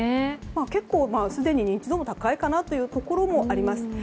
結構すでに認知度が高いかなというところもあります。